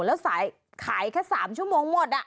แล้วขายแค่๓ชั่วโมงหมด